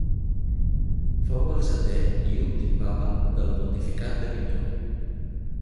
Fou el setè i últim Papa del pontificat d'Avinyó.